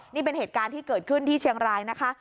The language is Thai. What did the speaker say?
นี่เป็นเหตุการณ์ที่เกิดขึ้นที่เชียงรายนะคะ